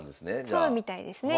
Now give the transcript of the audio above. そうみたいですね。